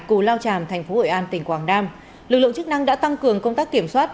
cù lao tràm thành phố hội an tỉnh quảng nam lực lượng chức năng đã tăng cường công tác kiểm soát